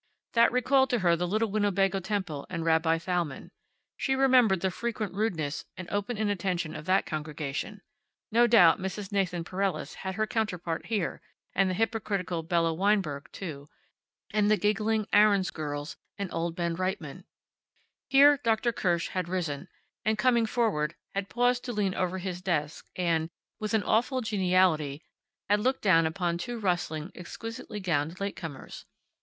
That recalled to her the little Winnebago Temple and Rabbi Thalmann. She remembered the frequent rudeness and open inattention of that congregation. No doubt Mrs. Nathan Pereles had her counterpart here, and the hypocritical Bella Weinberg, too, and the giggling Aarons girls, and old Ben Reitman. Here Dr. Kirsch had risen, and, coming forward, had paused to lean over his desk and, with an awful geniality, had looked down upon two rustling, exquisitely gowned late comers.